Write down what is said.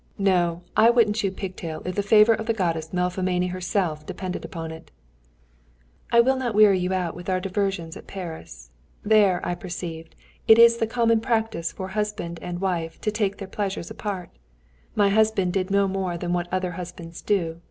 No, I wouldn't chew pigtail if the favour of the Goddess Melpomene herself depended on it. "I will not weary you with our diversions at Paris. There, I perceived, it is the common practice for husband and wife to take their pleasures apart. My husband did no more than what other husbands do.